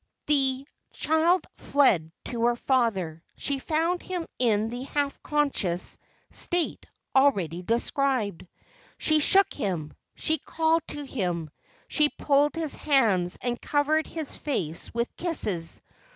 The child fled to her father. She found him in the half unconscious state already described. She shook him. She called to him. She pulled his hands, and covered his face with kisses.